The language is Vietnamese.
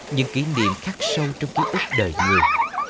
những kỷ niệm khác sâu trong ký ức đời người